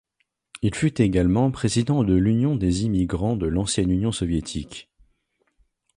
Il fut également président de l'Union des Immigrants de l'ancienne Union soviétique.